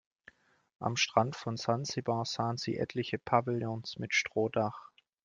Am Strand von Sansibar sahen sie etliche Pavillons mit Strohdach.